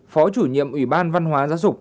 phó chủ nhiệm ủy ban văn hóa giáo dục